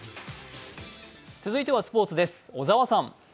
続いてはスポーツです、小沢さん。